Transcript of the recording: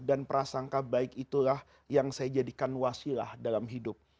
dan prasangka baik itulah yang saya jadikan wasilah dalam hidup